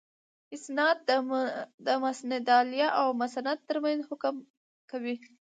اِسناد د مسندالیه او مسند تر منځ حکم کوي.